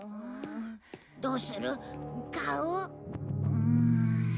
うん。